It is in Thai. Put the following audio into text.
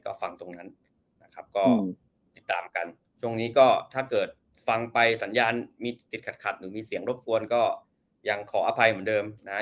ก็ฟังตรงนั้นนะครับก็ติดตามกันช่วงนี้ก็ถ้าเกิดฟังไปสัญญาณมีติดขัดขัดหรือมีเสียงรบกวนก็ยังขออภัยเหมือนเดิมนะฮะ